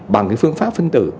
bằng cái phương pháp phân tử